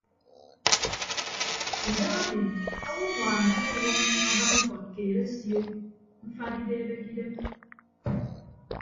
Idahaemi owoññwaan añwọñwọñ abañ ukọt keed asio mfat ideebe ke idem.